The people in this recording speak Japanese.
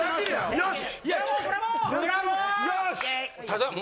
よし！